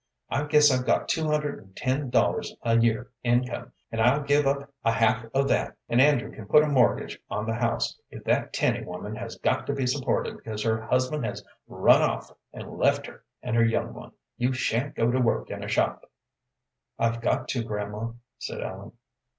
I guess I've got two hundred and ten dollars a year income, and I'll give up a half of that, and Andrew can put a mortgage on the house, if that Tenny woman has got to be supported because her husband has run off and left her and her young one. You sha'n't go to work in a shop." "I've got to, grandma," said Ellen.